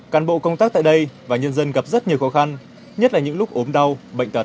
cán bộ công tác tại đây và nhân dân gặp rất nhiều khó khăn nhất là những lúc ốm đau bệnh tật